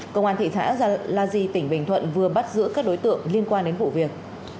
công an thị xã la di tỉnh bình thuận vừa bắt giữ các đối tượng liên quan đến vụ việc